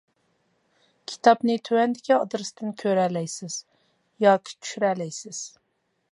كىتابنى تۆۋەندىكى ئادرېستىن كۆرەلەيسىز ياكى چۈشۈرەلەيسىز.